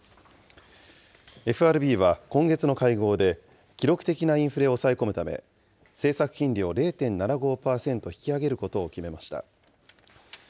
ＦＲＢは今月の会合で、記録的なインフレを抑え込むため、政策金利を０．７５％引き上げることを決めました。